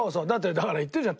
だから言ったじゃん